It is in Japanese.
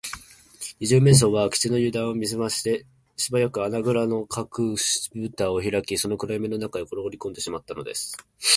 二十面相は明智のゆだんを見すまして、すばやく穴ぐらのかくしぶたをひらき、その暗やみの中へころがりこんでしまったのです